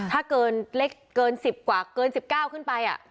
ถ้าเกินเล็กเกิน๑๐กว่าเกิน๑๙ขึ้นไป